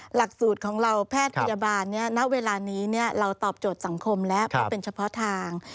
หลักสูตรของเราแพทย์พยาบาลณเวลานี้เราตอบโจทย์สังคมแล้วเพราะเป็นเฉพาะทาง